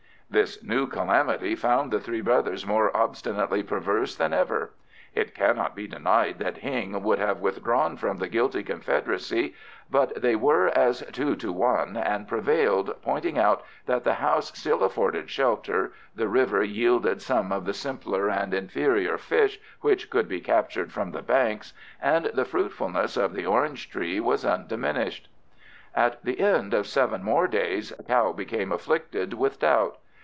This new calamity found the three brothers more obstinately perverse than ever. It cannot be denied that Hing would have withdrawn from the guilty confederacy, but they were as two to one, and prevailed, pointing out that the house still afforded shelter, the river yielded some of the simpler and inferior fish which could be captured from the banks, and the fruitfulness of the orange tree was undiminished. At the end of seven more days Kao became afflicted with doubt.